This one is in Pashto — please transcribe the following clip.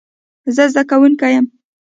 زه زده کوونکی یم